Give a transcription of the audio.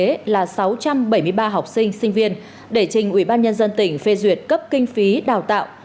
nhiều hơn số trúng tuyển tham gia học thực tế là sáu trăm bảy mươi ba học sinh sinh viên để trình ubnd tỉnh phê duyệt cấp kinh phí đào tạo